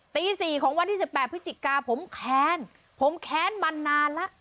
ตีสี่ของวันที่สิบแปดพฤติกาผมแค้นผมแค้นมานานละ